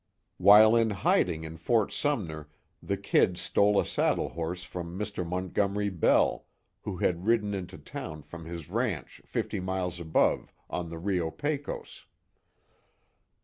While in hiding in Fort Sumner the "Kid" stole a saddle horse from Mr. Montgomery Bell, who had ridden into town from his ranch fifty miles above, on the Rio Pecos.